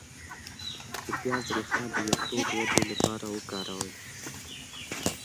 د پیاز ریښه د ویښتو د ودې لپاره وکاروئ